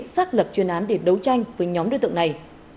xác lập chuyên án để đấu tranh với nhóm đối tượng này